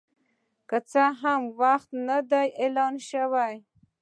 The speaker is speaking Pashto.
که څه هم کره وخت نه دی اعلان شوی